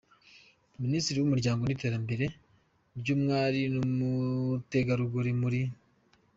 Ministre w’umuryango n’iterambere ry’umwari n’umutegarugori muri